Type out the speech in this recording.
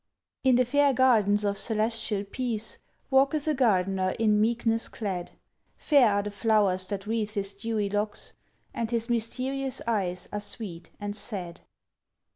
In the fair gardens of celestial peace Walketh a gardener in meekness clad; Fair are the flowers that wreathe his dewy locks, And his mysterious eyes are sweet and sad.